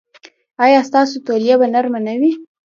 ایا ستاسو تولیه به نرمه نه وي؟